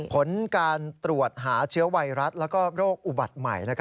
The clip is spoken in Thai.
ผลการตรวจหาเชื้อไวรัสและโรคอุบัติใหม่